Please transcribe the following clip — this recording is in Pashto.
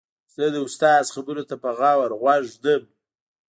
زه د استاد خبرو ته په غور غوږ ږدم.